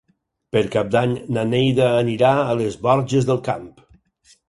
Per Cap d'Any na Neida anirà a les Borges del Camp.